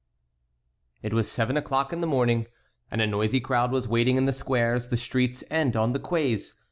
It was seven o'clock in the morning, and a noisy crowd was waiting in the squares, the streets, and on the quays.